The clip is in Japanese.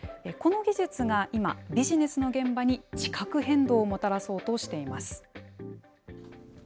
この技術が今、ビジネスの現場に地殻変動をもたらそうとしています。